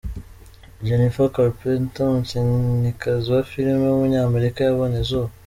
Jennifer Carpenter, umukinnyikazi wa filime w’umunyamerika yabonye izuba.